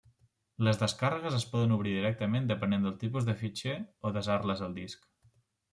Les descàrregues es poden obrir directament depenent del tipus de fitxer o desar-les al disc.